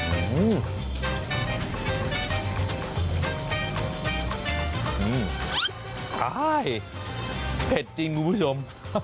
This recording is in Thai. อื้มค่ะไอ้ยยเป็ดจริงครับคุณผู้ชม